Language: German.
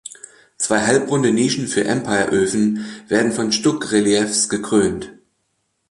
Zwei halbrunde Nischen für Empire-Öfen werden von Stuckreliefs gekrönt.